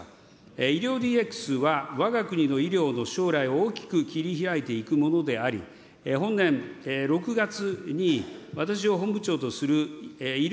医療ＤＸはわが国の医療の将来を大きく切りひらいていくものであり、本年６月に私を本部長とする医療